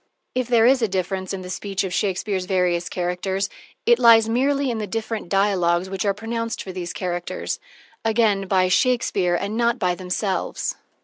If there is a difference in the speech of Shakespeare's various characters, it lies merely in the different dialogs which are pronounced for these characters again by Shakespeare and not by themselves.